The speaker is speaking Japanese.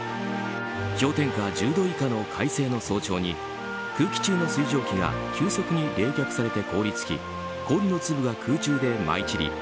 氷点下１０度以下の快晴の早朝に空気中の水蒸気が急速に冷却されて凍り付き氷の粒が空中で舞い散り